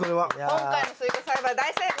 今回のスイカ栽培大成功。